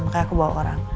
makanya aku bawa orang